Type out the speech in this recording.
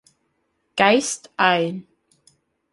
Geist ein.